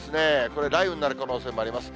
これ、雷雨になる可能性もあります。